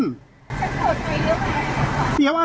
ฉันเปิดไฟเดี๋ยวมา